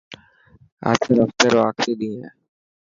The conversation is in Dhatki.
آچر هفتي رو آخري ڏينهن هي.